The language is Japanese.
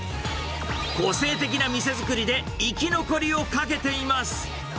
個性的な店作りで生き残りをかけています。